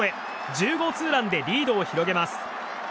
１０号ツーランでリードを広げます。